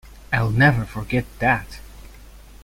I'll never forget that.